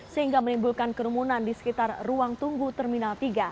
sehingga menimbulkan kerumunan di sekitar ruang tunggu terminal tiga